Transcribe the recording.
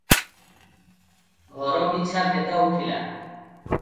ଘରପିଛା ଭେଦା ଉଠିଲା ।